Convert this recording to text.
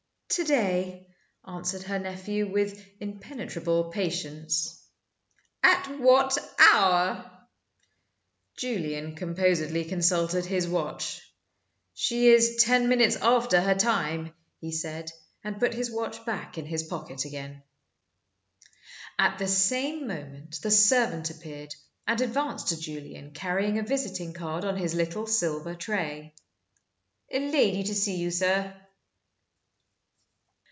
"To day," answered her nephew, with impenetrable patience. "At what hour?" Julian composedly consulted his watch. "She is ten minutes after her time," he said, and put his watch back in his pocket again. At the same moment the servant appeared, and advanced to Julian, carrying a visiting card on his little silver tray. "A lady to see you, sir."